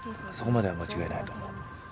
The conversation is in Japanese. そこまでは間違いないと思う。